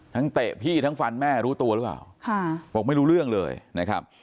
เตะพี่ทั้งฟันแม่รู้ตัวหรือเปล่าค่ะบอกไม่รู้เรื่องเลยนะครับ